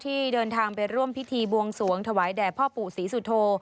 ที่เดินทางไปร่วมพิธีบวงสวงถวายแด่พ่อปู่ศรีสุโธ